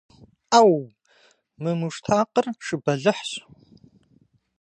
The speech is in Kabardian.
Ӏэу! Мы муштакъыр шы бэлыхьщ!